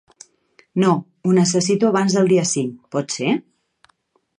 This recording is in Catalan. No, ho necessito abans del dia cinc, pot ser?